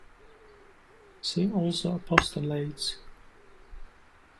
See also Apostolates.